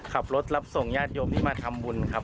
รับส่งญาติโยมที่มาทำบุญครับ